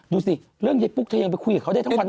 ดูสิเรื่องยายปุ๊กเธอยังไปคุยกับเขาได้ทั้งวันนี้